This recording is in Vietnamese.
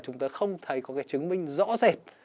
chúng ta không thấy có cái chứng minh rõ rệt